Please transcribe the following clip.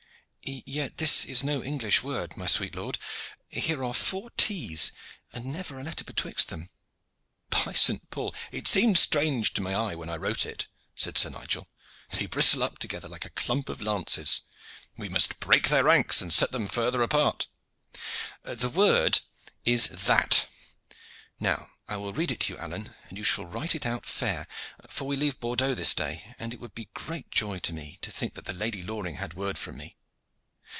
"Yet this is no English word, my sweet lord. Here are four t's and never a letter betwixt them." "By St. Paul! it seemed strange to my eye when I wrote it," said Sir Nigel. "They bristle up together like a clump of lances. We must break their ranks and set them farther apart. The word is 'that.' Now I will read it to you, Alleyne, and you shall write it out fair; for we leave Bordeaux this day, and it would be great joy to me to think that the Lady Loring had word from me."